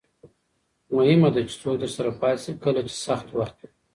مهمه ده چې څوک درسره پاتې شي کله چې سخت وخت وي.